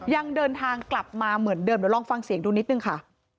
ยังเดินทางกลับมาเหมือนเดิมเดี๋ยวลองฟังเสียงดูนิดนึงค่ะ